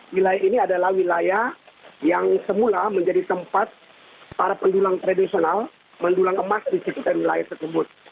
wilayah ini adalah wilayah yang semula menjadi tempat para pendulang tradisional mendulang emas di sekitar wilayah tersebut